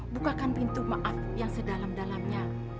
bukakan pintu maaf yang sedalam dalamnya